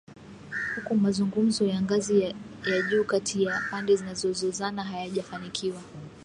Huku mazungumzo ya ngazi ya juu kati ya pande zinazozozana hayajafanikiwa.